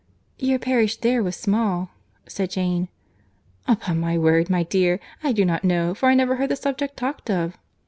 "Your parish there was small," said Jane. "Upon my word, my dear, I do not know, for I never heard the subject talked of."